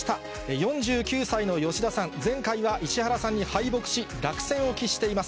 ４９歳の吉田さん、前回は石原さんに敗北し、落選をきっしています。